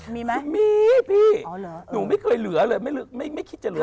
มีไหมมีพี่หนูไม่เคยเหลือเลยไม่คิดจะเหลือ